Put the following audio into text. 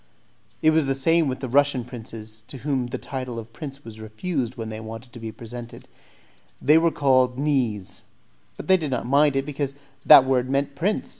It was the same with the Russian princes, to whom the title of prince was refused when they wanted to be presented; they were called "knees," but they did not mind it, because that word meant prince.